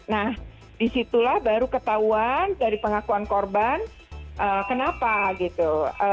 nah disitulah baru ketahuan dari pengakuan korban kenapa gitu